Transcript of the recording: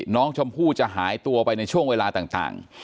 น้องชมพู่จะหายตัวไปในช่วงเวลาต่าง